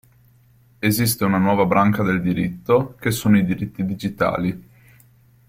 Esiste una nuova branca del diritto che sono i diritti digitali.